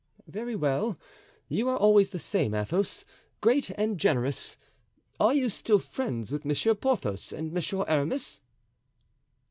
"Very well; you are always the same, Athos, great and generous. Are you still friends with Monsieur Porthos and Monsieur Aramis?"